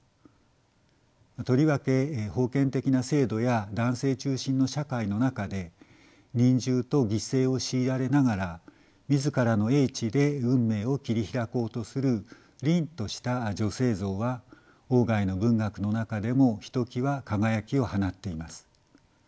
とりわけ封建的な制度や男性中心の社会の中で忍従と犠牲を強いられながら自らの英知で運命を切り開こうとする凜とした女性像は外の文学の中でもひときわ輝きを放っています。